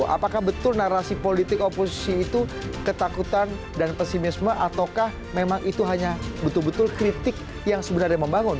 apakah betul narasi politik oposisi itu ketakutan dan pesimisme ataukah memang itu hanya betul betul kritik yang sebenarnya membangun